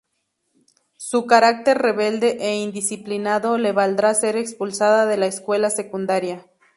Su carácter rebelde e indisciplinado le valdrá ser expulsada de la escuela secundaria.